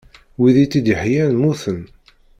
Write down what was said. Wid tt-id-yeḥyan mmuten.